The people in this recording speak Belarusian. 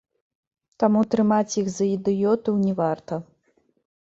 Таму трымаць іх за ідыётаў не варта.